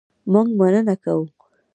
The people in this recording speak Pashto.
مونږ مننه کوو